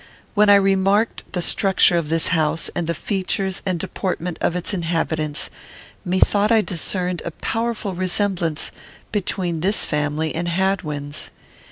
When I remarked the structure of this house, and the features and deportment of its inhabitants, methought I discerned a powerful resemblance between this family and Hadwin's.